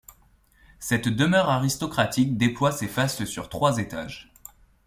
Cette demeure aristocratique déploie ses fastes sur trois étages.